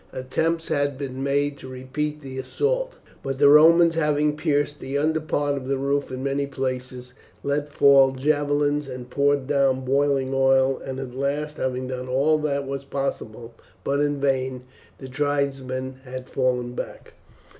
Attempts had been made to repeat the assault; but the Romans having pierced the under part of the roof in many places, let fall javelins and poured down boiling oil; and at last, having done all that was possible, but in vain, the tribesmen had fallen back.